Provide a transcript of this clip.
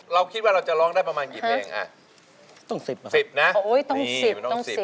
เราคิดว่าเราจะร้องได้ประมาณกี่เพลงต้อง๑๐นะต้อง๑๐